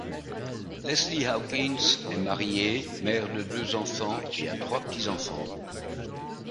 Leslie Hawkins est mariée, mère de deux enfants et a trois petits-enfants.